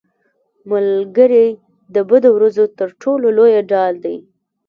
ملګری د بدو ورځو تر ټولو لویه ډال دی